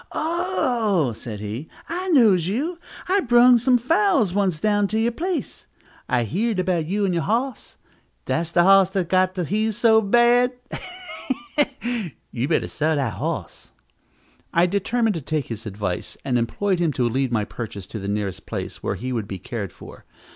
"Oh," said he, "I knows you, I brung some fowls once down to you place. I heerd about you and your hos. Dats de hos dats got de heaves so bad, heh! heh! You better sell dat hoss." I determined to take his advice, and employed him to lead my purchase to the nearest place where he would be cared for.